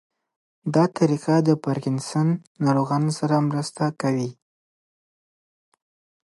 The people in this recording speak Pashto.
دا طریقه د پارکینسن ناروغانو سره مرسته کوي.